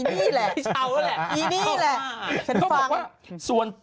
อีนี่แหละอีนี่แหละฉันฟัง